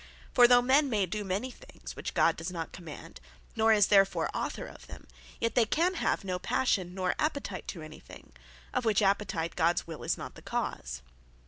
For though men may do many things, which God does not command, nor is therefore Author of them; yet they can have no passion, nor appetite to any thing, of which appetite Gods will is not the cause.